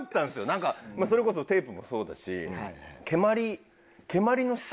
なんかまあそれこそテープもそうだし蹴鞠。